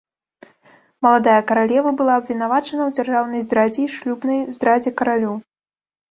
Маладая каралева была абвінавачана ў дзяржаўнай здрадзе і ў шлюбнай здрадзе каралю.